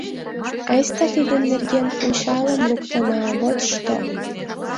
— Айста тидын нерген пунчалым луктына, вот што!